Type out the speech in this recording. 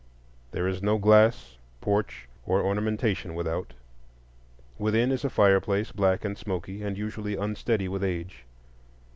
There is no glass, porch, or ornamentation without. Within is a fireplace, black and smoky, and usually unsteady with age.